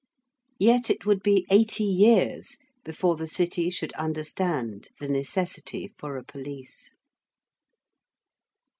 Yet it would be eighty years before the city should understand the necessity for a police.